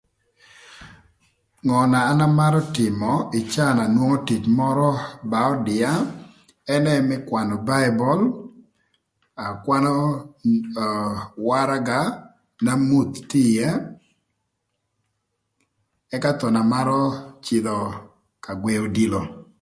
Ngö na an amarö tïmö ï caa na nwongo tic mörö ba ödïa? Ënë më kwanö baibul, akwanö ö waraga n'emuth tye ïë ëka thon amarö cïdhö ka gwëö odilo